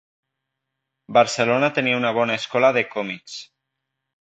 Barcelona tenia una bona escola de còmics